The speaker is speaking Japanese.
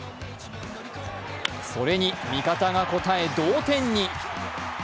それに味方が応え同点に。